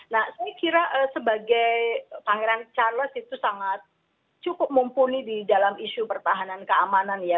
nah saya kira sebagai pangeran charles itu sangat cukup mumpuni di dalam isu pertahanan keamanan ya